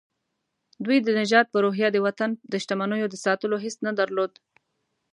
دوی د نجات په روحيه د وطن د شتمنيو د ساتلو حس نه درلود.